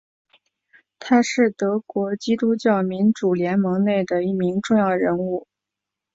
他是德国基督教民主联盟内的一名重要人物。